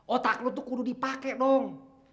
otak lu tuh kudu dipakai dong